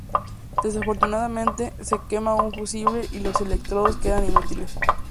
Desafortunadamente, se quema un fusible y los electrodos quedan inútiles.